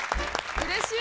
うれしい。